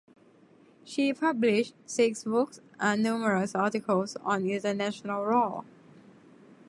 She published six books and numerous articles on International Law.